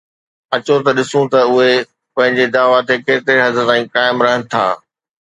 اچو ته ڏسون ته اهي پنهنجي دعويٰ تي ڪيتري حد تائين قائم رهن ٿا